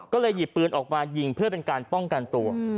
ก็เลยหยิบปืนออกมายิงเพื่อเป็นการป้องกันตัว